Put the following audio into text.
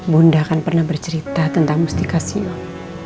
bunda kan pernah bercerita tentang mustikasion